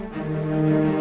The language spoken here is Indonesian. udah gak usah